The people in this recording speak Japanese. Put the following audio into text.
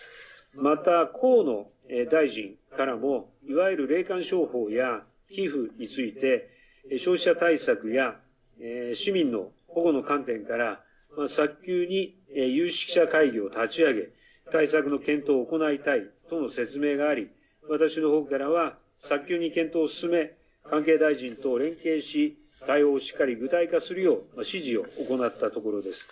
また、河野大臣からもいわゆる霊感商法や寄付について、消費者対策や市民の保護の観点から早急に、有識者会議を立ち上げ対策の検討を行いたいとの説明があり、私のほうからは早急に検討を進め関係大臣等と連携し対応をしっかり具体化するよう指示を行ったところです。